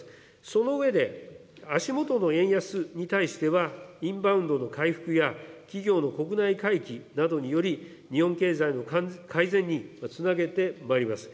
その上で、足下の円安に対しては、インバウンドの回復や企業の国内回帰などにより、日本経済の改善につなげてまいります。